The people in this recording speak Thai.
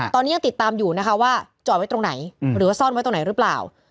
ตอนนี้ยังติดตามอยู่นะคะว่าจอดไว้ตรงไหนหรือว่าซ่อนไว้ตรงไหนหรือเปล่า